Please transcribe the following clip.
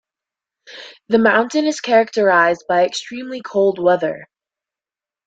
The mountain is characterized by extremely cold weather.